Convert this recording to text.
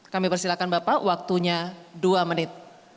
kami persilakan bapak waktunya dua menit